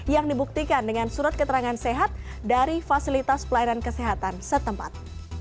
yang dibuktikan dengan surat keterangan sehat dari fasilitas pelayanan kesehatan setempat